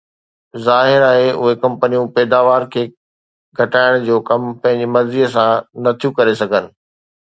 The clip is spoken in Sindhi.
ظاهر آهي، اهي ڪمپنيون پيداوار کي گهٽائڻ جو ڪم پنهنجي مرضي سان نه ٿيون ڪري سگهن